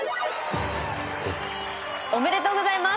おめでとうございます！